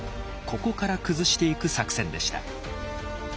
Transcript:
ここから崩していく作戦でした。